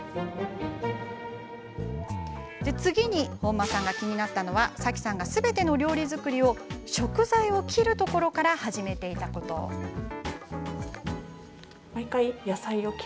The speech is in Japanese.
次に本間さんが気になったのはさきさんがすべての料理作りを食材を切ることから始めていたことです。